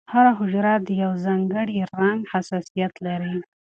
هره حجره د یو ځانګړي رنګ حساسیت لري.